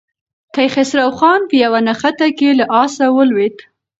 کیخسرو خان په یوه نښته کې له آسه ولوېد.